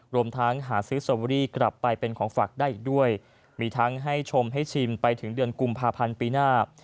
รวมทั้งหาซื้อสตอเวอรี่กลับไปเป็นของฝากได้อีกด้วยมีทั้งให้ชมให้ชิมไปถึงเดือนกุมภาพันธ์ปีหน้า